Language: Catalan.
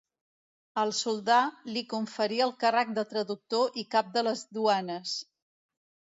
El soldà li conferí el càrrec de traductor i cap de les duanes.